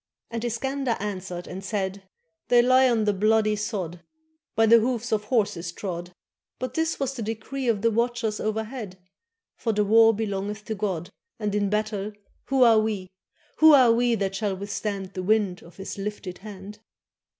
And Iskander answered and said* "They lie on the bloody sod 474 SCANDERBEG By the hoofs of horses trod; But this was the decree Of the watchers overhead ; For the war belongeth to God, And in battle who are we, Who are we, that shall withstand The wind of his lifted hand